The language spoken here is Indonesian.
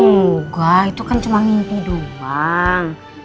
enggak itu kan cuma mimpi doang